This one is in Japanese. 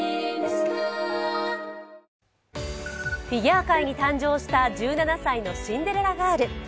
フィギュア界に誕生した１７歳のシンデレラガール。